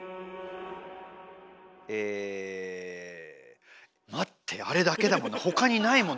待ってあれだけだもんなほかにないもんな水張ってるの。